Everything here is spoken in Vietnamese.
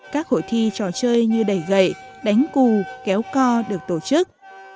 các hội thi trò chơi như đẩy gậy đánh cù kéo co được tổ chức